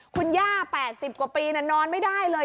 คุณย่า๘๐กว่าปีนอนไม่ได้เลย